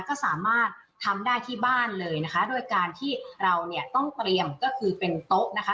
ก็สามารถทำได้ที่บ้านเลยนะคะโดยการที่เราเนี่ยต้องเตรียมก็คือเป็นโต๊ะนะคะ